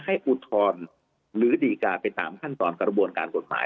อุทธรณ์หรือดีการไปตามขั้นตอนกระบวนการกฎหมาย